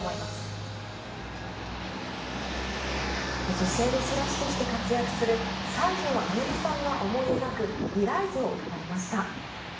女性の空師として活躍する西條綾奈さんが思い描く未来図を伺いました。